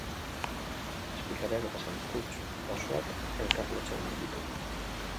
Zazpikaleak eta Santutxu auzoak elkarlotzen ditu.